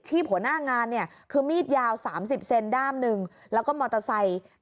หัวหน้างานเนี่ยคือมีดยาว๓๐เซนด้ามหนึ่งแล้วก็มอเตอร์ไซค์